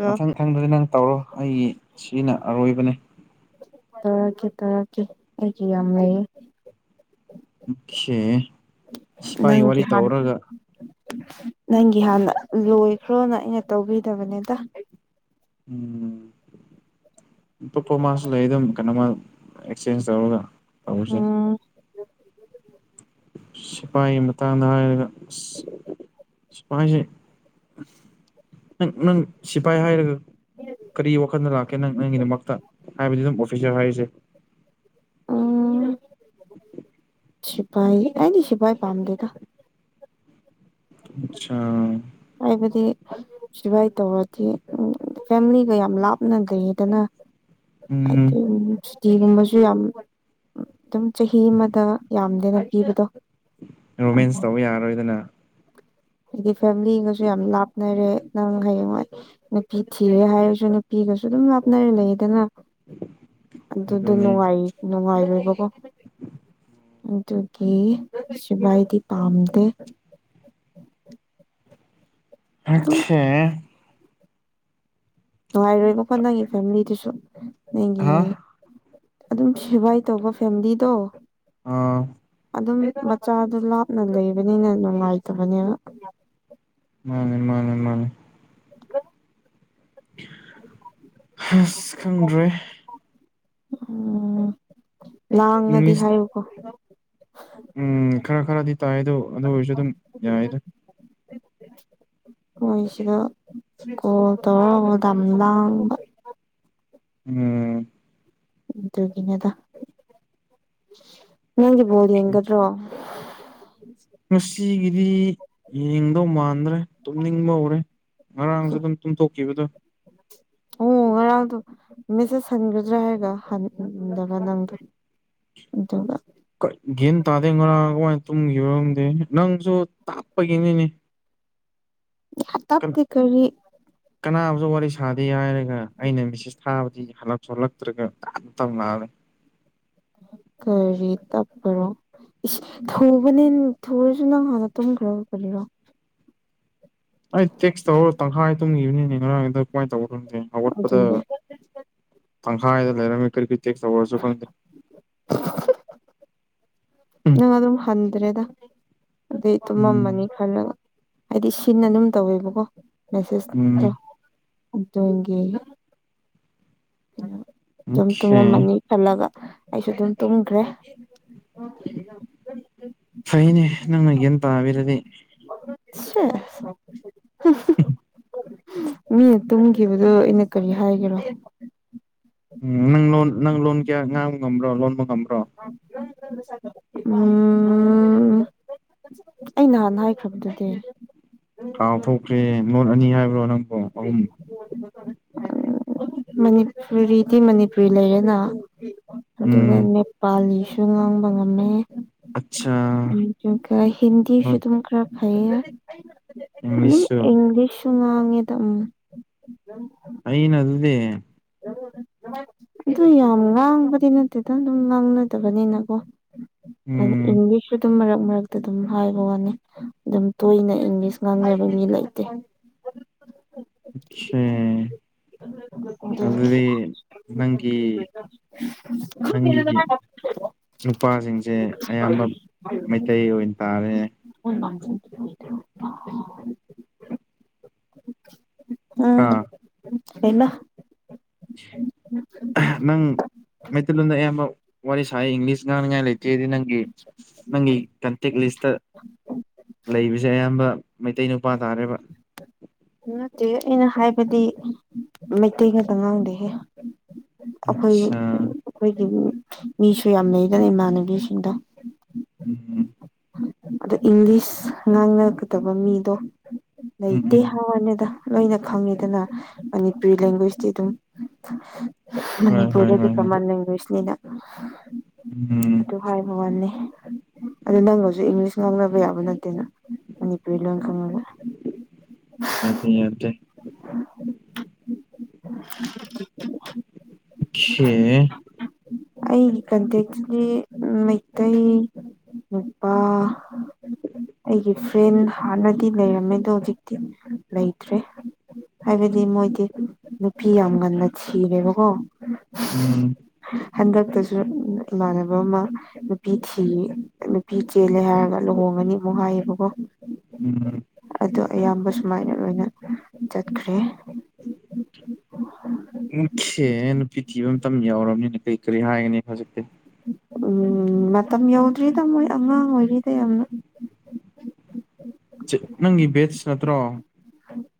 ꯔꯣ ꯃꯊꯪ ꯈꯪꯗꯔꯥ ꯅꯪ ꯇꯧꯔꯣ ꯑꯩ ꯁꯤꯅ ꯑꯔꯣꯏꯕꯅꯦ ꯇꯧꯔꯛꯀꯦ ꯇꯧꯔꯛꯀꯦ ꯑꯩꯒꯤ ꯌꯥꯝ ꯂꯩꯌꯦ ꯎꯛꯈꯦ ꯁꯤꯄꯥꯏ ꯅꯪꯒꯤ ꯋꯥꯔꯤ ꯍꯥꯟ ꯇꯧꯔꯒ ꯅꯪꯒꯤ ꯍꯥꯟꯅ ꯂꯣꯏꯈ꯭ꯔꯣꯅ ꯑꯩꯅ ꯇꯧꯕꯤꯗꯕꯅꯤꯗ ꯎꯝ ꯄꯨꯄꯇꫭ ꯃꯥꯁꯨ ꯂꯩꯔꯉ ꯀꯩꯅꯣꯃꯥ ꯑꯦꯛꯆꯦꯟꯖ ꯇꯧꯔꯒ ꯇꯧꯔꯁꯦ ꯎꯝ ꯁꯤꯐꯥꯏ ꯃꯇꯥꯡꯗ ꯍꯥꯏꯔꯒ ꯑꯁ ꯁꯤꯄꯥꯏꯁꯦ ꯎꯝ ꯅꯪ ꯁꯤꯐꯥꯏ ꯍꯥꯏꯔꯒ ꯀꯔꯤ ꯋꯥꯈꯟꯗ ꯂꯥꯛꯀꯦ ꯅꯪ ꯅꯪꯒꯤꯗꯃꯛꯇ ꯍꯥꯏꯕꯗꯤ ꯗꯨꯝ ꯑꯣꯐꯤꯁꯦꯜ ꯍꯥꯏꯒꯦꯁꯦ ꯁꯤꯄꯥꯏ ꯑꯩꯗꯤ ꯁꯤꯐꯥꯏ ꯄꯥꯝꯗꯦꯗ ꯆꯥ [unintelligible] ꯍꯥꯏꯕꯗꯤ ꯁꯤꯕꯥꯏ ꯇꯧꯔꯗꯤ ꯐꯦꯃꯤꯂꯤꯒ ꯌꯥꯝ ꯂꯥꯞꯅ ꯒꯩꯔꯦꯗꯅ ꯎꯝ ꯍꯥꯏꯗꯤ ꯁꯨꯇꯤꯒꯨꯝꯕꯁꯨ ꯌꯥꯝ ꯑꯗꯨꯝ ꯆꯍꯤ ꯑꯃꯗ ꯌꯥꯝꯗꯦꯗꯥ ꯄꯤꯕꯗꯣ ꯔꯣꯃꯦꯟꯁ ꯇꯧ ꯌꯥꯔꯣꯏꯗꯅ ꯑꯩꯗꯤ ꯐꯦꯃꯤꯂꯤꯒꯁꯨ ꯌꯥꯝ ꯂꯥꯞꯅꯔꯦ ꯅꯪ ꯍꯌꯦꯡꯋꯥꯏ ꯅꯨꯄꯤ ꯊꯤꯔꯦ ꯍꯥꯏꯔꯁꯨ ꯅꯨꯄꯤ ꯒꯁꯨ ꯑꯗꯨꯝ ꯂꯞꯅꯔ ꯂꯩꯔꯦꯗꯅ ꯑꯗꯨꯗꯣ ꯑꯗꯨꯅꯦ ꯅꯨꯡꯉꯥꯏ ꯅꯨꯡꯉꯥꯏꯔꯣꯏꯕꯀꯣ ꯑꯗꯨꯒꯤ ꯁꯤꯕꯥꯏꯗꯤ ꯄꯥꯝꯗꯦ ꯑꯗꯨꯝ ꯑꯠꯊꯤꯏ ꯅꯨꯡꯉꯥꯏꯔꯣꯏꯕꯀꯣ ꯅꯪꯒꯤ ꯐꯦꯃꯤꯂꯤꯗꯨꯁꯨ ꯅꯪꯒꯤ ꯍꯥ ꯑꯗꯨꯝ ꯁꯤꯕꯥꯏ ꯇꯧꯕ ꯐꯦꯃꯤꯂꯤꯗꯣ ꯑꯥ ꯑꯗꯨꯝ ꯃꯆꯥꯗꯨ ꯂꯥꯞꯅ ꯂꯩꯕꯅꯤꯅ ꯅꯨꯡꯉꯥꯏꯇꯕꯅꯦꯕ ꯃꯥꯅꯦ ꯃꯥꯅꯦ ꯃꯥꯅꯦ ꯑ ꯍꯥꯁ ꯈꯪꯗ꯭ꯔꯦ ꯎꯝ ꯂꯥꯡꯉꯗꯤ ꯏꯪꯂꯤꯁ ꯍꯥꯏꯌꯨꯀꯣ ꯎꯝ ꯈꯔ ꯈꯔꯗꯤ ꯇꯥꯏꯌꯦꯗꯨ ꯑꯗꯨ ꯑꯣꯏꯔꯁꯨ ꯑꯗꯨꯝ ꯌꯥꯏꯗ ꯃꯣꯏ ꯁꯤꯗ ꯀꯣꯜ ꯇꯧꯔꯥ ꯗꯝ ꯂꯥꯡꯕ ꯎꯝ ꯑꯗꯨꯒꯤꯅꯦꯗ ꯅꯪꯗꯤ ꯕꯣꯜ ꯑꯣꯀꯦ ꯌꯦꯡꯒꯗ꯭ꯔꯣ ꯉꯁꯤꯒꯤꯗꯤ ꯌꯦꯡꯗꯧ ꯃꯥꯟꯗ꯭ꯔꯦ ꯇꯨꯝꯅꯤꯡꯕ ꯍꯧꯔꯦ ꯉꯔꯥꯡꯁꯨ ꯑꯗꯨꯝ ꯇꯨꯝꯊꯣꯛꯈꯤꯕꯗꯣ ꯑꯣ ꯉꯔꯥꯡꯗꯣ ꯃꯦꯁꯦꯁ ꯍꯟꯒꯗ꯭ꯔꯥ ꯍꯥꯏꯔꯒ ꯍꯟꯗꯕ ꯅꯪꯗꯣ ꯎꯗꯦꯕ ꯀ ꯒꯦꯟ ꯇꯥꯗꯦ ꯉꯔꯥꯡ ꯀꯃꯥꯏꯅ ꯇꯨꯝꯈꯤꯕꯔꯝꯗꯦ ꯅꯪꯁꯨ ꯇꯥꯠꯄꯒꯤꯅꯤꯅꯦ ꯇꯞꯗꯤ ꯀꯔꯤ ꯀꯅꯥꯕꯨꯁꯨ ꯋꯥꯔꯤ ꯁꯥꯗꯦ ꯍꯥꯏꯔꯒ ꯑꯩꯅꯦꯁꯁ ꯊꯥꯕꯗ ꯍꯂꯛꯂꯛꯇꯔꯒ ꯇꯧꯅꯔꯦ ꯀꯔꯤ ꯇꯄ꯭ꯔꯣ ꯊꯨꯕꯅꯦ ꯊꯨꯔꯁꯨ ꯅꯪ ꯍꯥꯟꯅ ꯇꯨꯝꯈ꯭ꯔꯕꯅꯤꯔꯣ ꯑꯩ ꯇꯦꯛꯁ ꯇꯧꯔꯣ ꯇꯪꯈꯥꯏ ꯇꯨꯝꯈꯤꯕꯅꯤꯅꯦ ꯉꯔꯥꯡꯗ ꯀꯃꯥꯏ ꯇꯧ ꯈꯪꯗꯦ ꯑꯋꯥꯠꯄꯗ ꯑꯗꯨꯅꯦ ꯇꯪꯈꯥꯏꯗ ꯂꯩꯔꯝꯃꯤ ꯀꯔꯤ ꯀꯔꯤ ꯇꯦꯛꯁ ꯇꯧ ꯑꯣꯏꯔꯁꯨ ꯈꯪꯗꯦ ꯎꯝ ꯅꯪ ꯑꯗꯨꯝ ꯍꯟꯗ꯭ꯔꯦꯗ ꯑꯗꯨꯩ ꯎꯝ ꯑꯗꯨꯝꯃꯝꯃꯅꯤ ꯈꯜꯂꯒ ꯍꯥꯏꯗꯤ ꯁꯤꯅ ꯑꯗꯨꯝ ꯇꯧꯋꯦꯕꯀꯣ ꯎꯝ ꯃꯦꯁꯦꯁꯇꯣ ꯑꯗꯨꯗꯒꯦ ꯑꯗꯨꯝ ꯑꯣꯈꯦ ꯇꯨꯝꯉꯝꯃꯅꯤ ꯈꯜꯂꯒ ꯑꯩꯁꯨ ꯑꯗꯨꯝ ꯇꯨꯝꯈ꯭ꯔꯦ ꯐꯩꯅꯦ ꯅꯪꯅ ꯒ꯭ꯌꯥꯟ ꯇꯥꯕꯤꯔꯗꯤ ꯁ ꯎꯝ ꯃꯤꯅ ꯇꯨꯝꯈꯤꯕꯗꯣ ꯑꯩꯅ ꯀꯔꯤ ꯍꯥꯏꯒꯦꯔꯣ ꯎꯝ ꯅꯪ ꯂꯣꯟ ꯅꯪ ꯂꯣꯟ ꯀꯌꯥ ꯉꯥꯡꯕ ꯉꯝꯕ꯭ꯔꯣ ꯂꯣꯟꯕ ꯉꯝꯕ꯭ꯔꯣ ꯎꯝ ꯑꯩ ꯅꯍꯥꯟꯅ ꯍꯥꯏꯈ꯭ꯔꯕꯗꯨꯗꯤ ꯀꯥꯎ ꯊꯣꯛꯇ꯭ꯔꯦ ꯅꯣꯠ ꯑꯅꯤ ꯍꯥꯏꯕ꯭ꯔꯣ ꯅꯪꯕꯨꯣ ꯑꯍꯨꯝ ꯃꯅꯤꯄꯨꯔꯤꯗꯤ ꯃꯅꯤꯄꯨꯔꯤ ꯂꯩꯔꯦꯅ ꯑꯗꯨꯒ ꯎꯝ ꯅꯦꯄꯥꯂꯤ ꯁꯨ ꯉꯥꯡꯕ ꯉꯝꯃꯦ ꯑꯠꯆꯥ ꯎ ꯀ ꯍꯤꯟꯗꯤꯁꯨ ꯍꯣꯏ ꯇꯨꯃ ꯈꯔ ꯈꯥꯏ ꯏꯪꯂꯤꯁꯁꯨ ꯁꯨ ꯉꯥꯡꯉꯦ ꯇꯝ ꯑꯩꯩꯅ ꯑꯗꯨꯗꯦ ꯑꯗꯨ ꯌꯥꯝ ꯉꯥꯡꯕꯗꯤ ꯅꯠꯇꯦꯗꯪ ꯑꯗꯨꯝ ꯉꯥꯡꯅꯗꯕꯅꯤꯅꯀꯣ ꯑ ꯎꯝ ꯏꯪꯂꯤꯁ ꯑꯗꯨꯝ ꯃꯔꯛ ꯃꯔꯛꯇ ꯑꯗꯨꯝ ꯍꯥꯏꯕ ꯋꯥꯅꯤ ꯑꯗꯨꯝ ꯇꯣꯏꯅ ꯏꯪꯂꯤꯁ ꯉꯥꯡꯅꯕ ꯃꯤ ꯂꯩꯇꯦ ꯑꯆꯥꯦ ꯎ ꯅꯪꯒꯤ ꯅꯪꯒꯤ ꯅꯨꯄꯥꯁꯤꯡꯁꯦ ꯑꯌꯥꯝꯕ ꯃꯩꯇꯩ ꯑꯣꯏꯅ ꯇꯥꯔꯦ ꯎꯝ ꯍꯩꯃꯥ ꯎ ꯎ ꯃꯩꯇꯩꯂꯣꯟꯝꯗ ꯑꯌꯥꯝꯕ ꯋꯥꯔꯤ ꯁꯥꯏ ꯏꯪꯂꯤꯁ ꯉꯥꯡꯅꯉꯥꯏ ꯂꯩꯇꯦꯗꯤ ꯅꯪꯒꯤ ꯅꯪꯒꯤ ꯀꯇꯦꯛꯒ ꯂꯤꯁꯇ ꯂꯩꯕꯁꯦ ꯑꯌꯥꯝꯕ ꯃꯩꯇꯩ ꯅꯨꯄꯥ ꯇꯥꯔꯦꯕ ꯑꯩꯅ ꯍꯥꯏꯕꯗꯤ ꯃꯩꯇꯩ ꯉꯥꯛꯇ ꯉꯥꯡꯗꯦꯍꯦ ꯑꯩꯈꯣꯏ ꯑꯠꯆꯥ ꯑꯩꯈꯣꯏꯒꯤ ꯃꯤꯁꯨ ꯌꯥꯝ ꯂꯩꯗꯅ ꯏꯃꯥꯟꯅꯕꯤꯁꯤꯡꯗ ꯎꯝꯝ ꯑꯗꯣ ꯏꯪꯂꯤꯁ ꯉꯥꯡꯅꯒꯗꯕ ꯃꯤꯗꯣ ꯎꯝ ꯂꯩꯇꯦ ꯎꯝ ꯍꯋꯥꯅꯤꯗ ꯂꯣꯏꯅ ꯈꯪꯉꯤꯗꯅ ꯃꯅꯤꯄꯨꯔꯤ ꯂꯦꯡꯒ꯭ꯋꯦꯁꯇꯤ ꯑꯗꯨꯝ ꯍꯣꯏ ꯍꯣꯏ ꯃꯅꯤꯄꯨꯔꯗꯗꯤ ꯍꯣꯏ ꯍꯣꯏ ꯀꯃꯟ ꯂꯦꯡꯒ꯭ꯋꯦꯁꯅꯤꯅ ꯎꯝ ꯑꯗꯨ ꯍꯥꯏꯕꯥ ꯋꯥꯅꯦ ꯑꯗꯨ ꯅꯪꯒꯁꯨ ꯏꯪꯂꯤꯁ ꯉꯥꯡꯅꯕ ꯌꯥꯕ ꯅꯠꯇꯦꯅ ꯃꯅꯤꯄꯨꯔꯤ ꯂꯣꯟ ꯈꯪꯉꯒ ꯑ ꯌꯥꯗꯦ ꯌꯗꯦ ꯒ ꯁꯦ ꯑꯩꯒꯤ ꯀꯟꯇꯦꯛꯁꯤꯒꯤ ꯃꯩꯇꯩ ꯅꯨꯄꯥ ꯑꯩꯒꯤ ꯐ꯭ꯔꯦꯟ ꯍꯥꯟꯅꯗꯤ ꯂꯩꯔꯝꯃꯦ ꯑꯗꯣ ꯍꯧꯖꯤꯛꯇꯤ ꯂꯩꯇ꯭ꯔꯦ ꯍꯥꯏꯕꯗꯤ ꯃꯣꯏꯗꯤ ꯅꯨꯄꯤ ꯌꯥꯝ ꯉꯟꯅ ꯊꯤꯔꯦꯕꯀꯣ ꯎꯝ ꯍꯟꯗꯛꯇꯁꯨ ꯏꯃꯥꯟꯅꯕ ꯑꯃ ꯅꯨꯄꯤ ꯊꯤ ꯅꯨꯄꯤ ꯆꯦꯜꯂꯦ ꯍꯥꯏꯌꯦꯕꯥ ꯂꯨꯍꯣꯡ ꯅꯤ ꯃꯣ ꯍꯥꯏꯕꯒꯣ ꯎꯝ ꯑꯗꯨ ꯑꯌꯥꯝꯕ ꯁꯨꯃꯥꯏꯅ ꯂꯣꯏꯅ ꯆꯠꯈ꯭ꯔꯦ ꯁ ꯅꯨꯄꯤ ꯊꯤꯕ ꯃꯇꯝ ꯌꯥꯎꯔꯕꯅꯤꯅ ꯀꯔꯤ ꯀꯔꯤ ꯍꯥꯏꯒꯅꯤ ꯍꯧꯖꯤꯛꯇꯤ ꯎꯝ ꯃꯇꯝ ꯌꯧꯗ꯭ꯔꯤꯗ ꯃꯣꯏ ꯑꯉꯥꯡ ꯑꯣꯏꯔꯤꯗ ꯌꯥꯝꯅ ꯅꯪꯒꯤ ꯕꯦꯠꯁ ꯅꯠꯇ꯭ꯔꯣ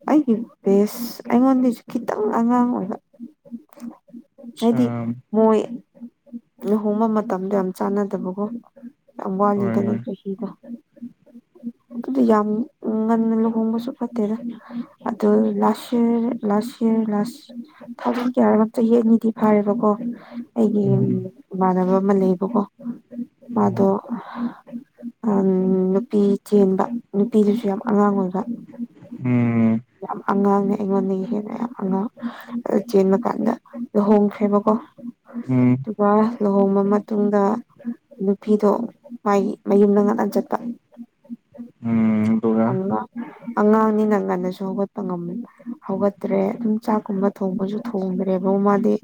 ꯑꯩꯒꯤ ꯕꯦꯁ ꯑꯩꯉꯣꯟꯗꯒꯤꯁꯨ ꯈꯤꯇꯪ ꯑꯉꯥꯡ ꯑꯣꯏꯕ ꯑꯠꯆꯥ ꯍꯥꯏꯗꯤ ꯃꯣꯏ ꯂꯨꯍꯣꯡꯕ ꯃꯇꯝꯗꯣ ꯌꯥꯝ ꯆꯥꯟꯅꯗꯕꯀꯣ ꯌꯥꯝ ꯍꯣꯏ ꯋꯥꯅꯤꯗꯥ ꯍꯣꯏ ꯅꯪꯒꯤ ꯄꯨꯟꯁꯤꯗꯨ ꯑꯗꯨꯗꯤ ꯌꯥꯝ ꯉꯟꯅ ꯂꯨꯍꯣꯡꯕꯁꯨ ꯐꯠꯇꯦꯗ ꯑꯗꯨ ꯂꯥꯁ ꯂꯥꯁ ꯌꯔꯥ ꯀꯌꯥ ꯅꯤꯗꯤ ꯐꯥꯔꯦꯕ ꯀꯣ ꯑꯩꯒꯤ ꯎꯝ ꯏꯃꯥꯟꯅꯕ ꯑꯃ ꯂꯩꯌꯦꯕꯀꯣ ꯎꯝ ꯃꯥꯗꯣ ꯅꯨꯄꯤ ꯆꯦꯟꯕ ꯅꯨꯄꯤꯗꯨꯁꯨ ꯌꯥꯝ ꯑꯉꯥꯡ ꯑꯣꯏꯕ ꯎꯝ ꯌꯥꯝ ꯑꯉꯥꯡꯅꯦ ꯑꯩꯉꯣꯟꯗꯒꯤ ꯍꯦꯟꯅꯌꯥꯝ ꯑꯉꯥꯡ ꯑ ꯆꯦꯟꯕ ꯀꯥꯟꯗ ꯂꯨꯍꯣꯡꯈ꯭ꯔꯦꯕꯀꯣ ꯎꯝ ꯑꯗꯨꯒ ꯂꯨꯍꯣꯡꯕ ꯃꯇꯨꯡꯗ ꯅꯨꯄꯤꯗꯣ ꯃꯥꯒꯤ ꯃꯌꯨꯝꯗ ꯉꯥꯛꯇꯥ ꯆꯠꯄ ꯎꯝ ꯑꯗꯨꯒ ꯑꯃ ꯑꯉꯥꯡꯅꯤꯅ ꯉꯟꯅꯁꯨ ꯍꯧꯒꯠꯄ ꯍꯧꯒꯠꯇ꯭ꯔꯦ ꯑꯗꯨꯝ ꯆꯥꯛꯀꯨꯝꯕ ꯊꯣꯡꯕꯁꯨ ꯊꯣꯡꯗ꯭ꯔꯦꯕ ꯃꯥꯗꯤ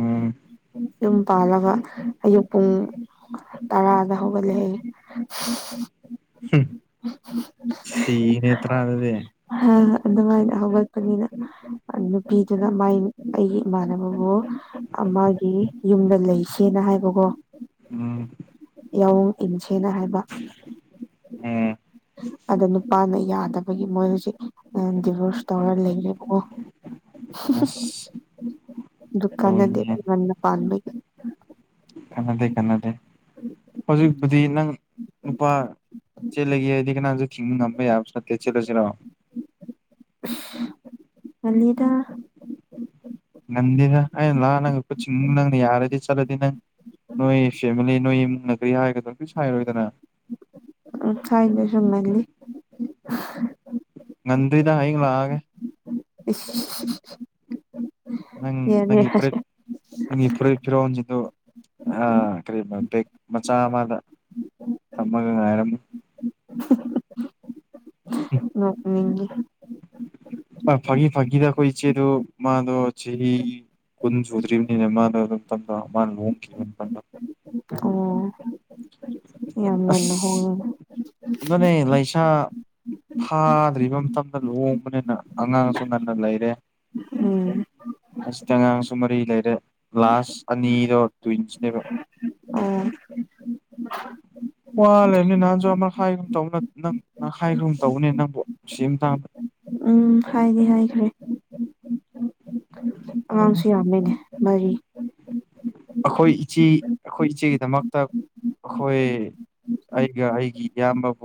ꯑꯥ ꯌꯨꯝ ꯄꯥꯜꯂꯒ ꯑꯌꯨꯛ ꯄꯨꯡ ꯇꯔꯥꯗ ꯍꯧꯒꯠꯂꯦꯌꯦ ꯁꯤꯅꯦ ꯍꯥꯏꯗꯗꯦ ꯅꯨꯡꯉꯥꯏꯅ ꯍꯧꯒꯠꯄꯅꯤꯅ ꯅꯨꯄꯤꯗꯨꯅ ꯃꯥꯏ ꯑꯩꯒꯤ ꯏꯃꯥꯟꯅꯕꯕꯨ ꯑꯃꯒꯤ ꯌꯨꯝꯗ ꯂꯩꯁꯦꯅ ꯍꯥꯏꯕꯀꯣ ꯎꯝ ꯌꯥꯑꯣꯡ ꯏꯟꯁꯦꯅ ꯍꯥꯏꯕ ꯎꯝ ꯑꯗ ꯅꯨꯄꯥꯅ ꯌꯥꯗꯕꯒꯤ ꯃꯣꯏ ꯍꯧꯖꯤꯛ ꯗꯤꯚꯣꯔꯁ ꯇꯧꯔ ꯂꯩꯔꯦꯀꯣ ꯑꯁ ꯗꯨꯀꯥꯟꯗꯤꯅ ꯄꯥꯕ ꯈꯟꯅꯗꯦ ꯈꯟꯅꯗꯦ ꯍꯧꯖꯤꯛꯄꯨꯗꯤ ꯅꯪ ꯅꯨꯄꯥ ꯆꯦꯂꯒꯦ ꯍꯥꯏꯗꯤ ꯀꯅꯥꯝꯁ ꯊꯤꯡꯕ ꯉꯝꯕ ꯌꯥꯕꯁꯨ ꯅꯠꯇꯦ ꯆꯦꯂꯁꯤꯔꯣ ꯑꯗ ꯉꯗ ꯑ ꯂ ꯅꯪ ꯆꯤꯡ ꯅꯪ ꯌꯥꯔꯗꯤ ꯆꯠꯂꯗꯤ ꯅꯪ ꯅꯣꯏ ꯐꯦꯃꯤꯂꯤ ꯅꯣꯏ ꯏꯃꯨꯡꯅ ꯀꯔꯤ ꯍꯥꯏꯔꯒꯗꯣ ꯁꯥꯏꯔꯣꯏꯗꯅ ꯎ ꯆꯥꯏꯗꯁꯅꯂꯤ ꯉꯟꯗ꯭ꯗ ꯍꯥꯏ ꯉꯂꯥꯒ [unintelligible] ꯅꯪ ꯌꯥꯔꯦ ꯅꯪ ꯏ꯭ꯔꯦ ꯪꯒꯤ ꯐ ꯐꯤꯔꯣꯜꯁꯤꯗꯨ ꯀꯔꯤ ꯕꯦꯛ ꯃꯆꯥ ꯑꯃꯗ ꯊꯃꯒ ꯉꯔꯝ ꯅ ꯃꯤ ꯐꯥꯤ ꯐꯥꯒꯤꯗ ꯑꯩꯈꯣꯏ ꯏ ꯆꯦꯗꯨ ꯃꯥꯗ ꯆꯍꯤ ꯀꯨꯟ ꯁꯨꯗ꯭ꯔꯤꯕꯅꯤꯅ ꯂ ꯑꯣ ꯌꯥꯝꯃꯦꯟꯅ ꯍ ꯑꯁ ꯑꯗꯨꯅꯦ ꯂꯩꯥꯏꯁꯥ ꯐꯥꯗ꯭ꯔꯤꯕ ꯃꯇꯝꯗ ꯂꯨꯍꯣꯡꯕꯅꯤꯅ ꯑꯉꯥꯡꯁꯨ ꯉꯟꯅ ꯂꯩꯔꯦ ꯎꯝ ꯑꯁ ꯇꯉꯥꯡ ꯁꯃꯔꯤ ꯂꯩꯔꯦ ꯂꯥꯁ ꯑꯅꯤꯔꯣ ꯇ꯭ꯋꯤꯟꯁꯅꯦꯕ ꯑꯣ ꯄ ꯄꯨꯋꯥꯜ ꯂꯩꯦ ꯑꯅ ꯅꯅꯥꯖ ꯑꯃ ꯍꯥꯏꯈ꯭ꯔꯨꯝ ꯇꯧꯅ ꯅꯪ ꯅꯪ ꯍꯥꯏꯈ꯭ꯔꯨꯝ ꯇꯧꯕꯅꯦ ꯅꯪꯕꯨ ꯅꯨꯡꯁꯤ ꯑꯃ ꯇꯥꯡꯕ ꯎꯝ ꯍꯥꯏꯗꯤ ꯍꯥꯏꯈ꯭ꯔꯦ ꯑꯉꯥꯡꯁꯨ ꯌꯥꯝꯃꯤꯅꯦ ꯃꯔꯤ ꯑꯩꯈꯣꯏ ꯏꯆꯦ ꯑꯩꯈꯣꯏ ꯏꯆꯦꯒꯤꯗꯃꯛꯇ ꯑꯩꯈꯣꯏ ꯑꯩꯒ ꯑꯩꯒꯤ ꯏꯌꯥꯝꯕꯕꯨ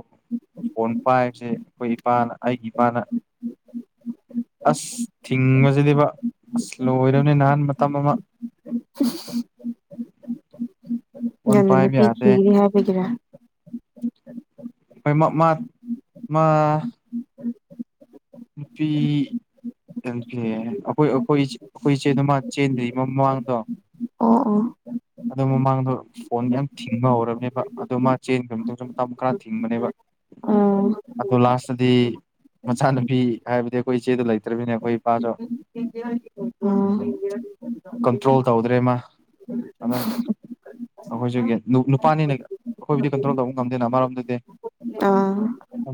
ꯐꯣꯟ ꯄꯥꯏꯕꯁꯦ ꯑꯩꯈꯣꯏ ꯏꯄꯥꯅ ꯑꯩꯒꯤ ꯏꯄꯥꯅ ꯑꯁ ꯊꯤꯡꯉꯁꯤꯗꯤꯕ ꯑꯁ ꯂꯣꯏꯔꯕꯣꯅꯦ ꯅꯍꯥꯟ ꯃꯇꯝ ꯑꯃ ꯎꯝ ꯎ ꯎ ꯎ [inaudible] ꯐꯣꯟ ꯌꯥꯝꯗ ꯄꯥꯏꯕ ꯄꯤꯈꯤꯒ꯭ꯔꯦ ꯍꯥꯏꯕꯤꯒꯤꯔꯥ ꯑꯣꯏ ꯃ ꯃ ꯃ ꯐꯤ ꯑꯩꯈꯣꯏ ꯑꯩꯈꯣꯏ ꯑꯩꯈꯣꯏ ꯏꯆꯦꯗꯃ ꯆꯦꯟꯗ꯭ꯔꯤꯃ ꯃꯃꯥꯡꯗꯣ ꯑꯣ ꯑꯣ ꯑꯗꯣ ꯃꯃꯥꯡꯗꯣ ꯐꯣꯟ ꯌꯥꯝ ꯊꯤꯡꯉ ꯍꯧꯔꯕꯅꯦꯕ ꯑꯗꯣ ꯃꯥ ꯆꯦꯟꯗꯧꯁꯨ ꯃꯇꯝ ꯈꯔ ꯊꯤꯡꯕꯅꯦꯕ ꯑꯥ ꯑꯣ ꯂꯥꯁꯇꯗꯤ ꯃꯁꯥꯅ ꯐꯤ ꯍꯥꯏꯕꯗꯤ ꯑꯩꯈꯣꯏ ꯏꯆꯦꯗ ꯂꯩꯇ꯭ꯔꯕꯤꯅꯦ ꯑꯩꯈꯣꯏ ꯏꯄꯥꯁꯨ ꯎ ꯀꯟꯇ꯭ꯔꯣꯜ ꯇꯧꯗ꯭ꯔꯦ [unintelligible] ꯑꯩꯈꯣꯏꯁꯨꯒꯤ ꯅꯨꯄꯥꯅꯤꯅ ꯑꯩꯈꯣꯏꯕꯨꯗꯤ ꯀꯟꯇ꯭ꯔꯣꯜ ꯇꯧꯕ ꯉꯝꯗꯦꯅ ꯃꯔꯝꯗꯨꯗꯤ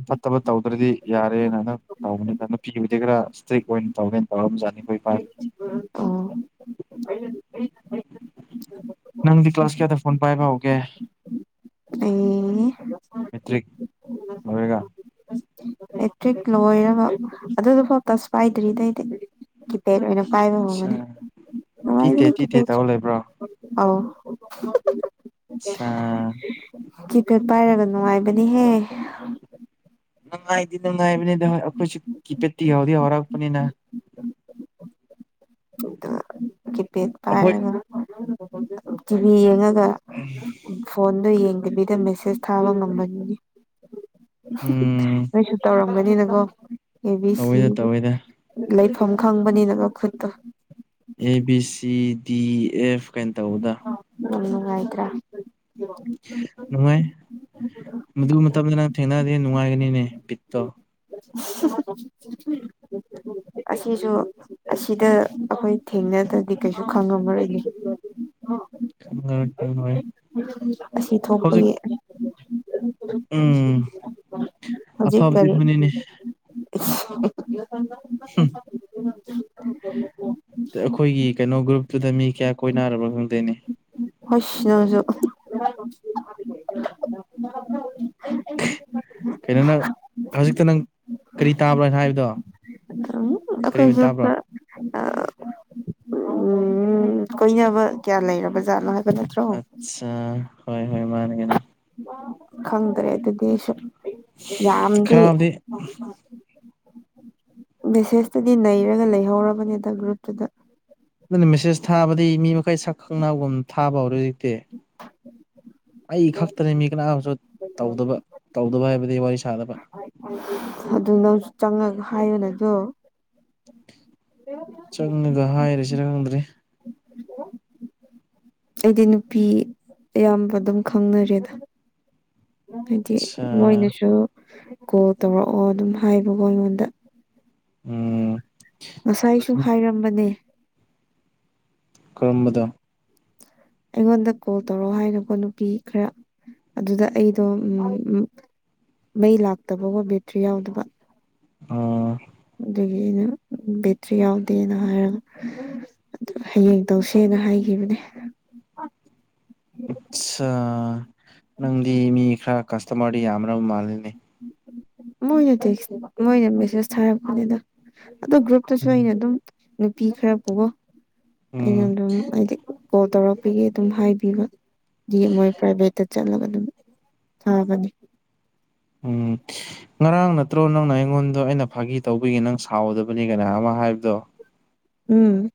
ꯐꯠꯇꯕ ꯇꯧꯗ꯭ꯔꯗꯤ ꯌꯥꯔꯦꯅ ꯍꯟ ꯇꯧꯕꯅꯤꯗ ꯅꯨꯄꯤ ꯑꯣꯏꯗꯤ ꯈꯔ ꯏꯁꯇ꯭ꯔꯤꯛ ꯑꯣꯏꯅ ꯇꯧꯒꯦꯅ ꯇꯧꯔꯝꯖꯥꯠꯅꯤ ꯑꯩꯈꯣꯏ ꯏꯅꯤꯦ [unintelligible] ꯑꯣ ꯅꯪꯗꯤ ꯀ꯭ꯂꯥꯁ ꯀꯌꯥꯗ ꯐꯣꯟ ꯄꯥꯏꯕ ꯍꯧꯒꯦ ꯑꯩ ꯃꯦꯇ꯭ꯔꯤꯛ ꯃꯔꯦꯒ ꯑꯦꯂꯦꯛꯇ꯭ꯔꯤꯛ ꯂꯣꯏꯔꯕ ꯑꯗꯨꯗꯨꯐꯥꯎ ꯇꯁ ꯄꯥꯏꯗ꯭ꯔꯤꯗꯩꯗꯤ ꯀꯤꯄꯦꯗ ꯑꯣꯏꯅ ꯄꯕ ꯑꯠꯆꯥ ꯇꯤ ꯇꯦ ꯇꯤ ꯇꯦ ꯍꯉꯥꯏꯕꯅꯦ ꯇꯧꯔ ꯂꯩꯕ꯭ꯔꯣ ꯑꯧ ꯑꯠꯆꯥ [unintelligible] ꯀꯤꯄꯦꯗ ꯄꯥꯏꯔꯒ ꯅꯨꯡꯉꯥꯏꯕꯅꯤꯍꯦ ꯅꯨꯡꯉꯥꯏꯗꯤ ꯅꯨꯡꯉꯥꯏꯕꯅꯤꯗ ꯑꯩꯈꯣꯏꯁꯨ ꯀꯤꯄꯦꯠꯇꯤ ꯌꯥꯎꯗꯤ ꯍꯧꯔꯛꯄꯅꯤꯅ ꯎꯝ [inaudible] ꯀꯤꯄꯦꯗ ꯄꯥꯏꯔꯒ ꯇꯤꯚꯤ ꯌꯦꯡꯉꯒ ꯐꯣꯟꯗꯣ ꯌꯦꯡ ꯇꯤꯚꯤꯗ ꯃꯦꯁꯦꯁ ꯊꯥꯕ ꯉ ꯎꯝ ꯅꯣꯏꯁꯨ ꯇꯧꯔ ꯈꯪꯕꯅꯤꯅꯀꯣ ꯑꯦꯕꯤ ꯁꯤ ꯇꯧꯋꯦꯗ ꯇꯧꯋꯦꯗ ꯂꯩꯐꯝ ꯈꯪꯕꯅꯤꯅꯀꯣ ꯈꯨꯠꯇꯣ A B C D F ꯀꯩꯅ ꯇꯧꯕꯗ ꯌꯥꯝ ꯅꯨꯡꯉꯥꯏꯇ꯭ꯔꯥ ꯅꯨꯡꯥꯏ ꯃꯗꯨ ꯃꯅ ꯊꯦꯡꯅ ꯅꯅꯨꯡꯉꯥꯏ ꯀꯅꯤꯅꯦ ꯕꯤꯠꯇꯣ [unintelligible] ꯑꯁꯤꯁꯨ ꯑꯁꯤꯗ ꯑꯩꯈꯣꯏ ꯊꯦꯡꯅꯗ꯭ꯔꯗꯤ ꯀꯩꯁꯨ ꯈꯪꯉꯝꯃꯔꯣꯏꯅꯤ ꯑ [unintelligible] ꯈꯪꯣ [unintelligible] ꯏ ꯈꯪꯣꯏ ꯑꯁꯤ ꯊꯣꯛꯄꯒꯤ ꯎꯝ ꯍꯧꯖꯤꯛ ꯑꯐꯕꯗꯤ ꯀꯔꯤ ꯑꯗꯨꯅꯤꯅꯦ ꯌ ꯆꯥꯡ [unintelligible] ꯑꯩꯈꯣꯏꯒꯤ ꯀꯩꯅꯣ ꯒ꯭ꯔꯨꯞꯇꯨꯗ ꯃꯤ ꯀꯌꯥ ꯀꯣꯏꯅꯔꯕ ꯈꯪꯗꯣꯏꯅꯤ ꯍꯁ ꯅ ꯍꯧꯁꯨ ꯀꯩꯅꯅ ꯍꯧꯖꯤꯛꯇ ꯅꯪ ꯀꯔꯤ ꯇꯥꯕ꯭ꯔꯅꯣ ꯍꯥꯏꯕꯗꯣ ꯀꯔꯤ ꯑꯣꯏꯅ ꯇꯥꯕ꯭ꯔꯣ ꯎ ꯀꯣꯏꯅꯕ ꯀꯌꯥ ꯂꯩꯔꯕ ꯖꯥꯠꯅꯣꯍ ꯑꯆꯥ ꯍꯣꯏ ꯍꯣꯏ ꯃꯥꯅꯦꯒꯅ ꯈꯪꯗ꯭ꯔꯦ ꯑ ꯗꯁ ꯈꯔꯞꯗꯤ ꯃꯦꯁꯦꯖꯇꯗꯤ ꯅꯩꯔꯒ ꯂꯩꯍꯧꯔꯕꯅꯦꯗ ꯒ꯭ꯔꯨꯞꯇꯨꯗ ꯅꯪꯅ ꯃꯦꯁꯦꯁ ꯊꯥꯕꯗꯤ ꯃꯤ ꯃꯈꯩ ꯁꯛ ꯈꯪꯅꯕꯒꯨꯝ ꯊꯥꯕ ꯍꯧꯔꯦ ꯍꯧꯖꯤꯛꯇꯤ ꯑꯩ ꯈꯛꯇꯅꯦ ꯃꯤ ꯀꯅꯥꯝꯁꯨ ꯇꯧꯗꯕ ꯇꯧꯗꯕ ꯍꯥꯏꯕꯗꯤ ꯋꯥꯔꯤ ꯁꯥꯗꯕ ꯑꯗꯨ ꯅꯪꯁꯨ ꯆꯪꯉꯒ ꯍꯥꯏꯌꯣꯅꯦ ꯑꯗꯣ ꯆꯪꯉꯒ ꯍꯥꯏꯔꯤꯁꯤ ꯈꯪꯗ꯭ꯔꯦ ꯑꯩꯗꯤ ꯅꯨꯄꯤ ꯑꯌꯥꯝꯕ ꯑꯗꯨꯝ ꯈꯪꯅꯔꯦꯗ ꯍꯥꯏꯗꯤ ꯑꯠꯁꯥ ꯃꯣꯏꯅꯁꯨ ꯀꯣꯜ ꯇꯧꯔꯛꯑꯣ ꯑꯗꯨꯝ ꯍꯥꯏꯕꯀꯣ ꯑꯩꯉꯣꯟꯗ ꯎꯝ ꯉꯁꯥꯏꯁꯨ ꯍꯥꯏꯔꯝꯕꯅꯦ ꯀꯔꯝꯕꯗꯣ ꯑꯩꯉꯣꯟꯗ ꯀꯣꯜ ꯇꯧꯔꯛꯑꯣ ꯍꯥꯏꯅꯀꯣ ꯅꯨꯄꯤ ꯈꯔ ꯑꯗꯨꯗ ꯑꯩꯗꯣ ꯃꯩ ꯂꯥꯛꯇꯕꯀꯣ ꯕꯦꯇ꯭ꯔꯤ ꯌꯥꯎꯗꯕ ꯑꯣ ꯑꯗꯨꯗꯒꯤ ꯑꯩꯅ ꯕꯦꯇ꯭ꯔꯤ ꯌꯥꯎꯗꯦꯅ ꯍꯥꯏꯔꯒ ꯑꯗꯨ ꯍꯌꯦꯡ ꯇꯧꯁꯦꯅ ꯍꯥꯏꯈꯤꯕꯅꯦ ꯎꯝ ꯅꯪꯗꯤ ꯃꯤ ꯈꯔ ꯀꯁꯇꯃꯔꯗꯤ ꯌꯥꯝ꯭ꯔꯕ ꯃꯥꯜꯂꯤꯅꯦ ꯃꯣꯏ ꯅꯇꯁꯤ ꯃꯣꯏꯁꯤ ꯁꯅꯤꯗ ꯑꯗꯨꯗ ꯒ꯭ꯔꯨꯞꯇꯁꯨ ꯎꯝ ꯑꯩꯅ ꯑꯗꯨꯝ ꯅꯨꯄꯤ ꯈꯔ ꯄꯨꯕꯣ ꯑꯩꯅ ꯎꯝ ꯑꯗꯨꯝ ꯍꯥꯏꯗꯤ ꯀꯣꯜ ꯇꯧꯔꯛꯄꯤꯒꯦ ꯑꯗꯨꯝ ꯍꯥꯏꯕꯤꯕ ꯃꯣꯏ ꯄ꯭ꯔꯥꯏꯚꯦꯠꯇ ꯆꯒ ꯑꯗꯨ ꯊꯥꯒꯅꯤ ꯎꯝ ꯉꯔꯥꯡ ꯅꯠꯇ꯭ꯔꯣ ꯅꯪꯅ ꯑꯩꯉꯣꯟꯗꯣ ꯑꯩꯅ ꯐꯥꯒꯤ ꯇꯧꯕꯤꯒꯦ ꯅꯪ ꯁꯥꯎꯗꯕꯅꯤ ꯀꯅꯥ ꯑꯃ ꯍꯥꯏꯕ ꯗꯣ ꯎꯝ